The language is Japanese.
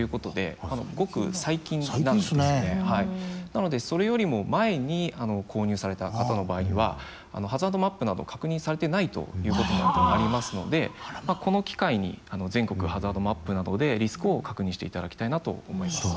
なのでそれよりも前に購入された方の場合にはハザードマップなど確認されてないということもありますのでこの機会に全国ハザードマップなどでリスクを確認していただきたいなと思います。